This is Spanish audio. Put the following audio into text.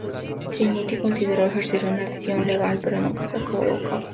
Trinity consideró ejercer una acción legal pero nunca se llevó a cabo.